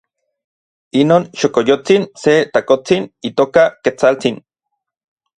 inon xokoyotsin se takotsin itoka Ketsaltsin.